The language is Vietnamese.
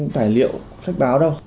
tài liệu sách báo đâu